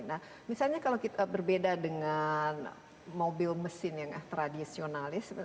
nah misalnya kalau kita berbeda dengan mobil mesin yang tradisionalis